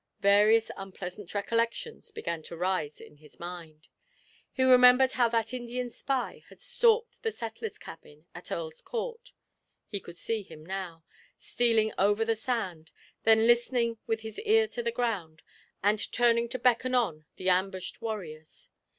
Various unpleasant recollections began to rise in his mind. He remembered how that Indian spy had stalked the settler's cabin at Earl's Court. He could see him now, stealing over the sand, then listening with his ear to the ground, and turning to beckon on the ambushed warriors.